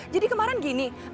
jadi kemarin gini